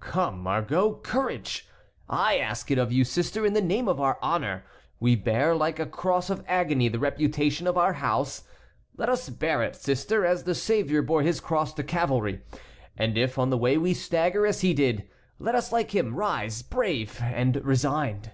Come, Margot, courage! I ask it of you, sister, in the name of our honor! We bear like a cross of agony the reputation of our house; let us bear it, sister, as the Saviour bore his cross to Calvary; and if on the way we stagger, as he did, let us like him rise brave and resigned."